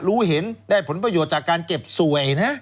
รู้เห็นได้ผลประโยชน์จากการเจ็บสวยนะ